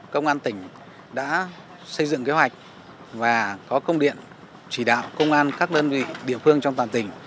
công an tỉnh đã xây dựng kế hoạch và có công điện chỉ đạo công an các đơn vị địa phương trong toàn tỉnh